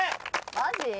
マジ？